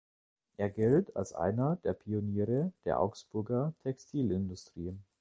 Er gilt als einer der Pioniere der Augsburger Textilindustrie.